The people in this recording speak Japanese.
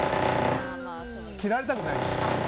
嫌われたくないし。